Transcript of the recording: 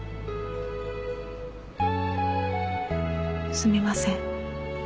すみません。